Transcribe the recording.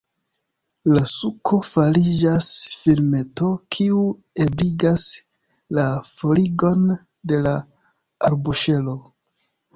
La suko fariĝas filmeto, kiu ebligas la forigon de la arboŝelo.